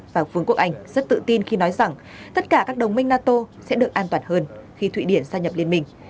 và vương quốc anh rất tự tin khi nói rằng tất cả các đồng minh nato sẽ được an toàn hơn khi thụy điển gia nhập liên minh